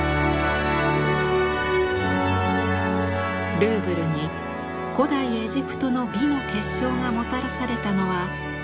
ルーブルに古代エジプトの美の結晶がもたらされたのは１９世紀。